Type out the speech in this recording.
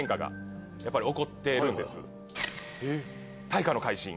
大化の改新。